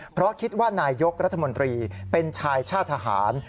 เพราะคิดว่านายยกรัฐมนตรีเป็นชายชาติทหาร